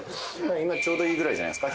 今ちょうどいいぐらいじゃないですか？